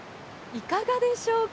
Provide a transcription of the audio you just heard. いかがでしょうか。